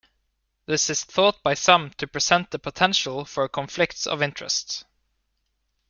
This is thought by some to present the potential for conflicts of interest.